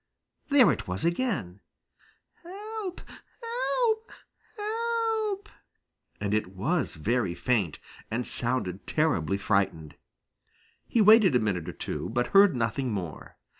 There it was again "Help! Help! Help" and it was very faint and sounded terribly frightened. He waited a minute or two, but heard nothing more.